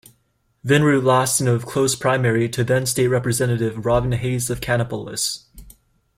Vinroot lost in a close primary to then-state representative Robin Hayes of Kannapolis.